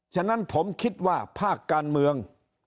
ฉะนั้นผมคิดว่าภาคการเมือง